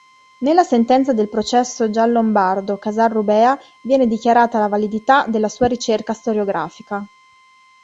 Nella sentenza del processo Giallombardo-Casarrubea viene dichiarata la validità della sua ricerca storiografica.